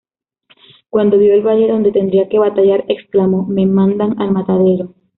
Cuando vio el valle donde tendría que batallar, exclamó: ""me mandan al matadero"".